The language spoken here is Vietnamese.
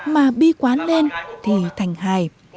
mà bi quá lên thì thành hài